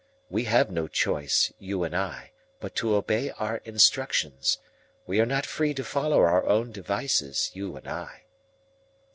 We have no choice, you and I, but to obey our instructions. We are not free to follow our own devices, you and I."